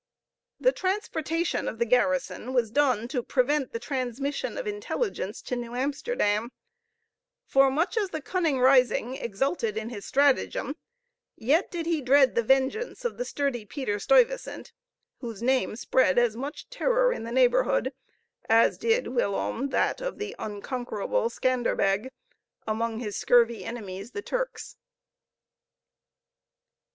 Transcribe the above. The transportation of the garrison was done to prevent the transmission of intelligence to New Amsterdam; for much as the cunning Risingh exulted in his stratagem, yet did he dread the vengeance of the sturdy Peter Stuyvesant, whose name spread as much terror in the neighborhood as did whilom that of the unconquerable Scanderbeg among his scurvy enemies the Turks.